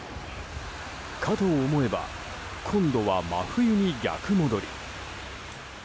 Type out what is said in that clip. かと思えば今度は真冬に逆戻り。